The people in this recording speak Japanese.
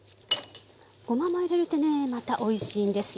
ごまも入れるってねまたおいしいんですよ。